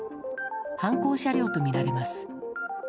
犯行車両とみられます。